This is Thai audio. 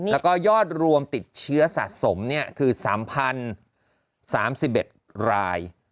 แล้วก็ยอดรวมติดเชื้อสะสมคือ๓๐๓๑ราย